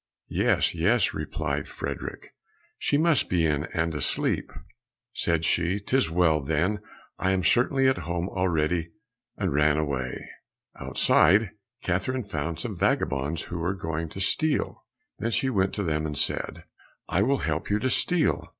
"Yes, yes," replied Frederick, "she must be in and asleep." Said she, "'Tis well, then I am certainly at home already," and ran away. Outside Catherine found some vagabonds who were going to steal. Then she went to them and said, "I will help you to steal."